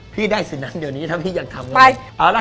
พี่ได้สินะเดี๋ยวนี้ถ้าพี่อยากทำ